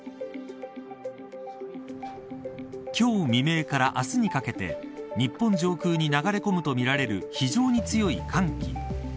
今日未明から明日にかけて日本上空に流れ込むとみられる非常に強い寒気。